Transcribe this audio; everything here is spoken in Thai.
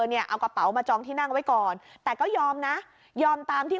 เนี่ยเอากระเป๋ามาจองที่นั่งไว้ก่อนแต่ก็ยอมนะยอมตามที่